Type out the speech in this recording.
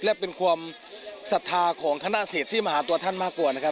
และเป็นความสัทธาของทนาสิทธิ์ที่มหาตัวท่านมากกว่า